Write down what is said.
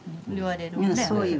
言われるよね。